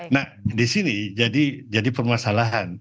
nah disini jadi permasalahan